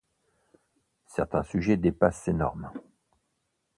Certains sujets dépassent ces normes.